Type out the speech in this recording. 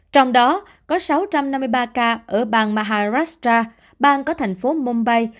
trong đó có sáu trăm năm mươi ba ca ở bang maharashtra bang có thành phố mumbai